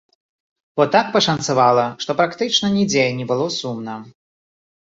Бо так пашанцавала, што практычна нідзе не было сумна.